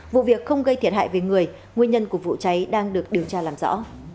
vụ việc không gây thiệt hại về người nguyên nhân của vụ cháy đang được điều tra làm rõ